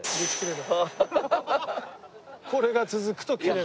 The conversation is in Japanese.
これが続くとキレる。